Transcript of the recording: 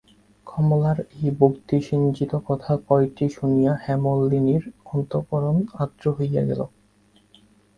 কমলার এই ভক্তিসিঞ্চিত কথা কয়টি শুনিয়া হেমনলিনীর অন্তঃকরণ আর্দ্র হইয়া গেল।